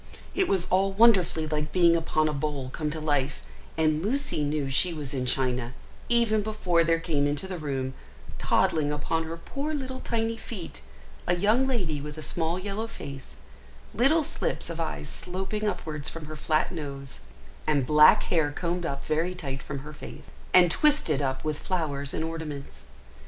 It was all wonderfully like being upon a bowl come to life, and Lucy knew she was in China, even before there came into the room, toddling upon her poor little tiny feet, a young lady with a small yellow face, little slips of eyes sloping upwards from her flat nose, and back hair combed up very tight from her face, and twisted up with flowers and ornaments.